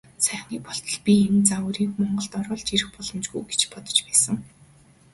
Саяхныг болтол би энэ загварыг Монголд оруулж ирэх боломжгүй гэж бодож байсан.